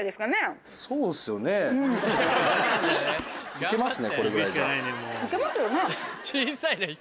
行けますよね？